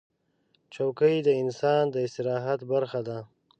چوکۍ د انسان د استراحت برخه ده.